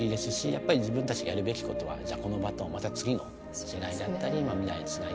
やっぱり自分たちがやるべきことはこのバトンをまた次の世代だったり未来へつないで行く。